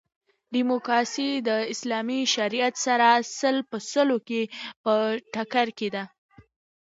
ډیموکاسي د اسلامي شریعت سره سل په سلو کښي په ټکر کښي ده.